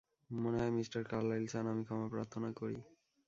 মনে হয়, mister Carlyle চান আমি ক্ষমা প্রার্থনা করি।